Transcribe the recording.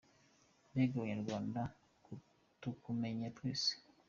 Mbega Abanyarwanda, tukumenye twese.